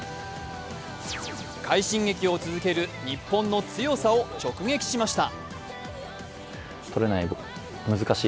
快進撃を続ける日本の強さを直撃しました。